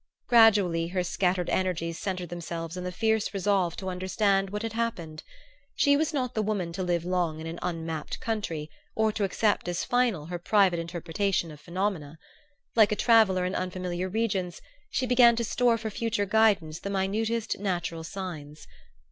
Gradually her scattered energies centred themselves in the fierce resolve to understand what had happened. She was not the woman to live long in an unmapped country or to accept as final her private interpretation of phenomena. Like a traveller in unfamiliar regions she began to store for future guidance the minutest natural signs.